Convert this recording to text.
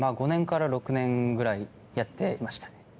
５年から６年ぐらいやってましたね。